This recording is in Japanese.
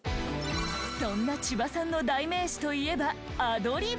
そんな千葉さんの代名詞といえばアドリブ。